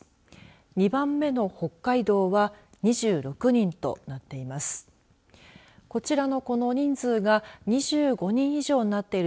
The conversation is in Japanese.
２番目の北海道は２６人となっています。